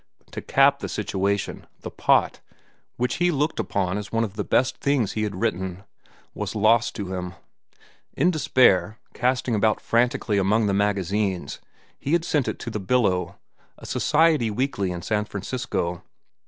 To cap the situation, "The Pot," which he looked upon as one of the best things he had written, was lost to him. In despair, casting about frantically among the magazines, he had sent it to The Billow, a society weekly in San Francisco.